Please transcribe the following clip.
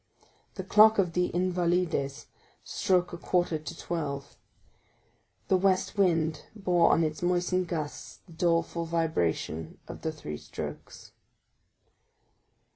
The clock of the Invalides struck a quarter to twelve; the west wind bore on its moistened gusts the doleful vibration of the three strokes.